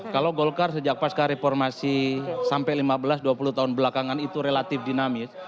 kalau golkar sejak pasca reformasi sampai lima belas dua puluh tahun belakangan itu relatif dinamis